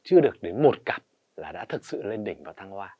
chưa được đến một cặp là đã thực sự lên đỉnh